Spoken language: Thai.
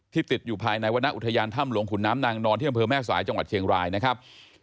ติดอยู่ภายในวรรณอุทยานถ้ำหลวงขุนน้ำนางนอนที่อำเภอแม่สายจังหวัดเชียงรายนะครับ